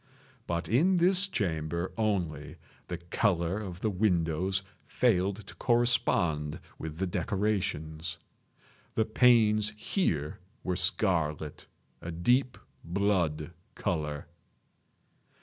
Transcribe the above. But in this chamber only, the color of the windows failed to correspond with the decorations. The panes here were scarlet—a deep blood color.